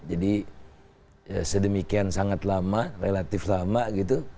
jadi sedemikian sangat lama relatif lama gitu